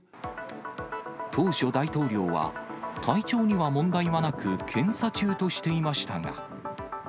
当初、大統領は、体調には問題はなく、検査中としていましたが。